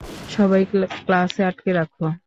সবাইকে ক্লাসে আটকে রাখো।